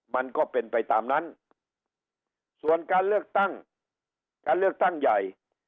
มันก็เป็นไปตามนั้นส่วนการเลือกตั้งการเลือกตั้งใหญ่